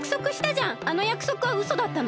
あのやくそくはうそだったの？